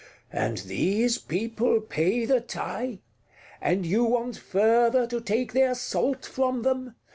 And these people pay the taille! And you want further to take their salt from them!